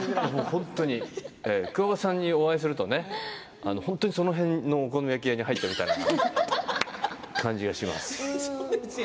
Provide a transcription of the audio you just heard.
本当にくわばたさんにお会いするとその辺のお好み焼き屋に入ったような感じがします。